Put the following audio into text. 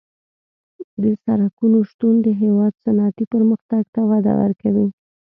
د سرکونو شتون د هېواد صنعتي پرمختګ ته وده ورکوي